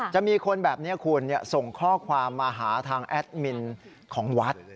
จะมีคนแบบนี้คุณส่งข้อความมาหาทางแอดมินของวัด